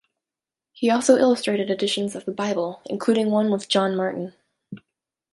He also illustrated editions of the Bible, including one with John Martin.